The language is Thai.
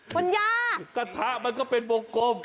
คุณย่ากระทะมันก็เป็นวงกลม